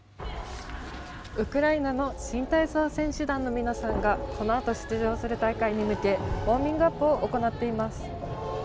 ウクライナ新体操選手団の皆さんがこのあと出場する大会に向けウォーミングアップを行っています。